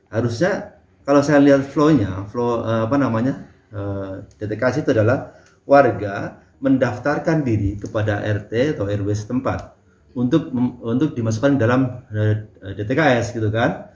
harusnya kalau saya lihat flow nya flow apa namanya dtks itu adalah warga mendaftarkan diri kepada rt atau rw setempat untuk dimasukkan ke dalam dtks gitu kan